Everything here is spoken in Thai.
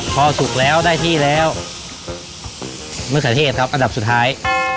พอสุกแล้วได้ที่แล้วมะเขือเทศครับอันดับสุดท้าย